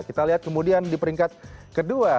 kita lihat kemudian di peringkat kedua